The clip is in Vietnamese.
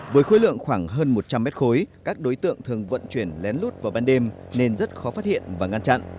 với khối lượng khoảng hơn một trăm linh mét khối các đối tượng thường vận chuyển lén lút vào ban đêm nên rất khó phát hiện và ngăn chặn